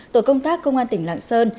tổ công tác công an tỉnh lạng sơn